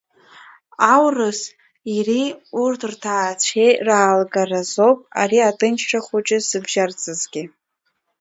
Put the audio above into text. Аурыс ири урҭ рҭаацәеи ралгаразоуп ари аҭынчра хәыҷы зыбжьарҵазгьы.